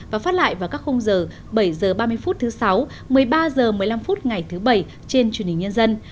và phát lại vào các khung giờ bảy h ba mươi phút thứ sáu một mươi ba h một mươi năm phút ngày thứ bảy trên truyền hình nhân dân